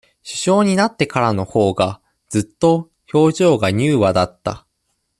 首相になってからのほうが、ずっと、表情が柔和だった。